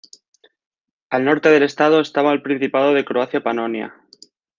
Al norte del estado estaba el Principado de Croacia-Panonia.